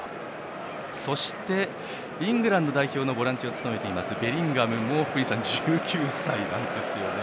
そして、イングランド代表のボランチを務めていますベリンガムも福西さん１９歳なんですよね。